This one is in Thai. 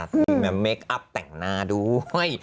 ดอบเท่งหน้าดูเฮ่ย